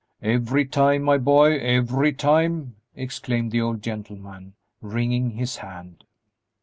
"Every time, my boy, every time!" exclaimed the old gentleman, wringing his hand.